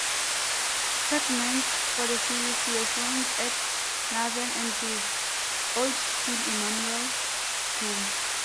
Segments for the series were filmed at Naveen Andrews' old school Emanuel School.